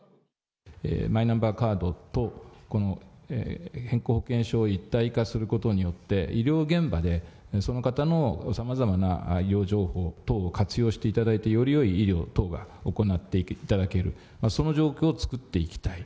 マイナンバーカードと、この健康保険証を一体化することによって、医療現場でその方のさまざまな医療情報等を活用していただいて、よりよい医療等が行っていただける、その状況を作っていきたい。